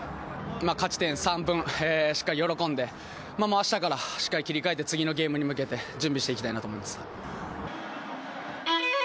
勝ち点３分しっかり喜んで明日から切り替えて次のゲームに向けて準備していきたいと思います。